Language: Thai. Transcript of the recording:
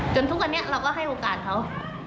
ทุกวันนี้เราก็ให้โอกาสเขา